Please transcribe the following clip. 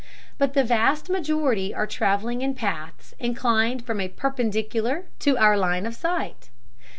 But the vast majority are traveling in paths inclined from a perpendicular to our line of sight.